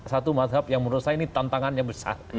satu mazhab yang menurut saya ini tantangannya besar